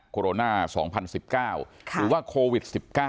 โรนา๒๐๑๙หรือว่าโควิด๑๙